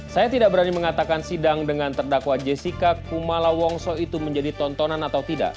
saya tidak berani mengatakan sidang dengan terdakwa jessica kumala wongso itu menjadi tontonan atau tidak